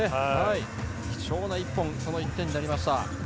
貴重な１本１点となりました。